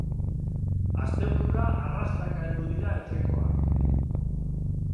Asteburura arrastaka heldu dira etxekoak.